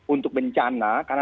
untuk bencana karena